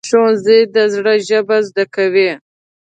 ښوونځی د زړه ژبه زده کوي